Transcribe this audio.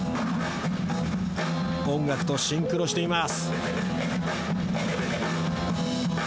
音楽とシンクロしています。